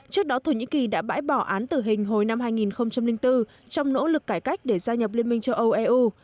trước đó thổ nhĩ kỳ đã bãi bỏ án tử hình hồi năm hai nghìn bốn trong nỗ lực cải cách để gia nhập liên minh châu âu eu